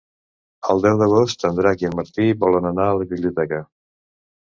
El deu d'agost en Drac i en Martí volen anar a la biblioteca.